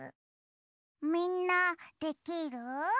みんなできる？